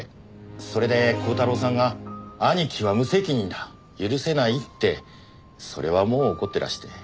それで光太郎さんが「兄貴は無責任だ。許せない」ってそれはもう怒っていらして。